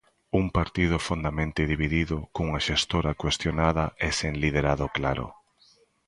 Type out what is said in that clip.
Un partido fondamente dividido, cunha xestora cuestionada e sen liderado claro.